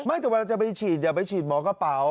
แต่เวลาจะไปฉีดอย่าไปฉีดหมอกระเป๋า